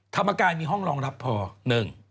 ธรรมกายมีห้องรองรับพอหนึ่ง